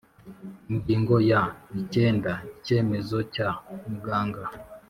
Ingingo ya icyenda : Icyemezo cya muganga